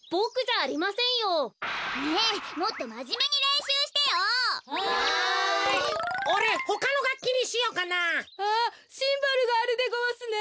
あっシンバルがあるでごわすね。